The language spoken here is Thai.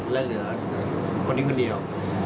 แล้วเหลืองี้คนเดียว